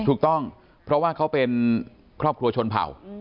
ถูกต้องเพราะว่าเขาเป็นครอบครัวชนเผ่า